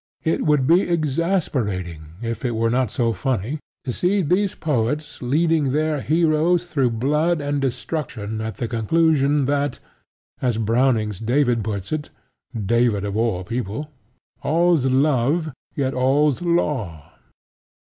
It would be exasperating, if it were not so funny, to see these poets leading their heroes through blood and destruction to the conclusion that, as Browning's David puts it (David of all people!), "All's Love; yet all's Law."